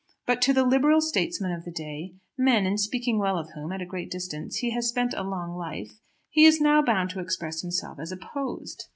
But to the Liberal statesmen of the day, men in speaking well of whom at a great distance he has spent a long life, he is now bound to express himself as opposed.